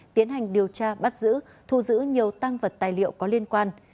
tiến hành điều tra bắt giữ thu giữ nhiều tăng vật tài liệu có liên quan